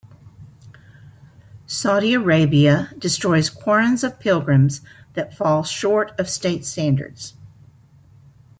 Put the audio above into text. Saudi Arabia destroys Qurans of pilgrims that fall short of state standards.